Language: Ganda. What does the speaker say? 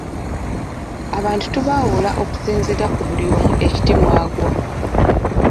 Abantu tubaawula okusinziira ku buli omu ekiti mw'agwa.